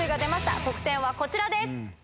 得点はこちらです。